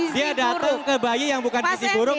dia datang ke bayi yang bukan gizi buruk